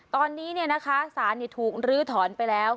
ตอนนี้เนี่ยนะคะสารเนี่ยถูกลื้อถอนไปแล้ว